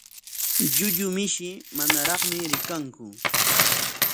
Llullu mishi manaraqmi rikanku.